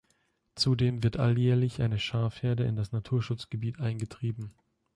Zudem wird alljährlich eine Schafherde in das Naturschutzgebiet eingetrieben.